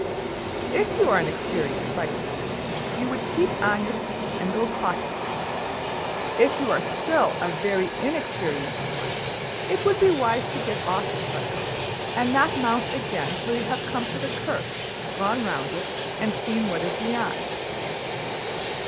'' If you are an experienced cyclist you would keep on your seat, and go cautiously; if you are still a very inexperienced one, it would be wise to get off your cycle, and not mount again till you had come to the curve, and gone round it, and seen what is beyond.